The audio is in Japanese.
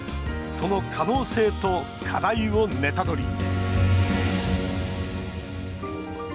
その可能性と課題をネタドリ！